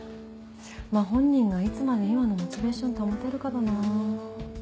まぁ本人がいつまで今のモチベーション保てるかだなぁ。